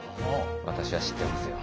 私は知ってますよ。